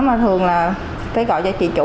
mà thường là phải gọi cho chị chủ